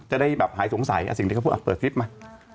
จะได้แบบหายสงสัยสิ่งที่เขาพูดเปิดคลิปมา